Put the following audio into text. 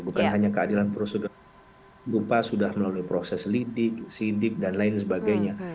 bukan hanya keadilan prosedur berupa sudah melalui proses lidik sidik dan lain sebagainya